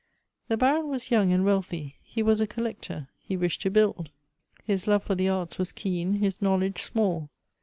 The Baron was young and wealthy. He was a collector ; he wished to build. His Elective Affinities. 191 love for the arts ■was keen, his knowledge small.